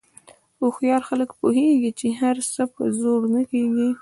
هوښیار خلک پوهېږي چې هر څه په زور نه کېږي.